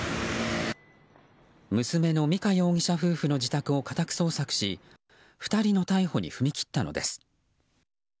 娘の美香容疑者夫婦の自宅を家宅捜索し２人の逮捕に踏み切ったのです。